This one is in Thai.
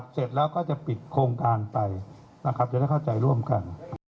เสร็จแล้วก็จะปิดโครงการไปนะครับจะได้เข้าใจร่วมกัน